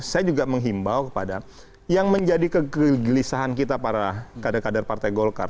saya juga menghimbau kepada yang menjadi kegelisahan kita para kader kader partai golkar